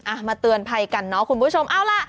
อามาเตือนไปกันคุณผู้ชมเอาละ